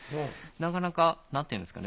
なかなか何て言うんですかね。